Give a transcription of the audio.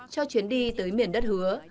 cho chuyến đi tới miền đất hứa